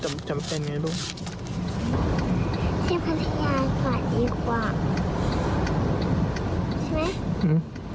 เจ้ากำกัดอย่าไปดีกว่า